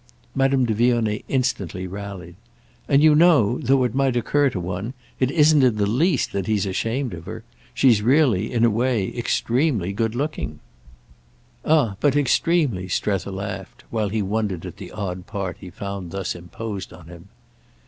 Madame de Vionnet instantly rallied. "And you know—though it might occur to one—it isn't in the least that he's ashamed of her. She's really—in a way—extremely good looking." "Ah but extremely!" Strether laughed while he wondered at the odd part he found thus imposed on him.